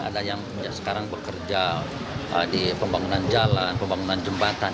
ada yang sekarang bekerja di pembangunan jalan pembangunan jembatan